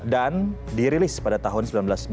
dirilis pada tahun seribu sembilan ratus sembilan puluh